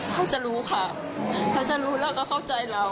เขาจะรู้ค่ะเขาจะรู้เราก็เข้าใจเรา